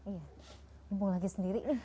mumpung lagi sendiri